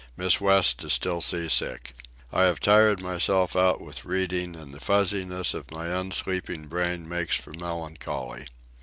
Miss West is still sea sick. I have tired myself out with reading, and the fuzziness of my unsleeping brain makes for melancholy.